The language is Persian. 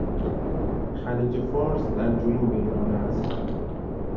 خلیج فارس در جنوب ایران است.